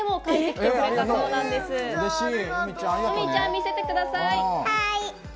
うみちゃん見せてください。